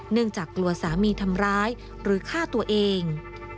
จากกลัวสามีทำร้ายหรือฆ่าตัวเอง